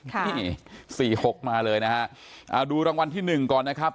นี่สี่หกมาเลยนะฮะอ่าดูรางวัลที่หนึ่งก่อนนะครับ